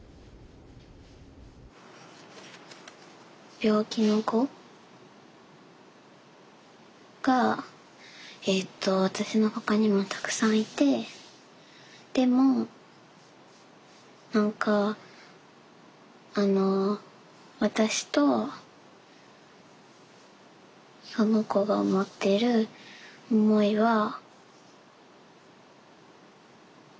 病気の子が私のほかにもたくさんいてでも何かあの私とその子が思っている思いは全然違う。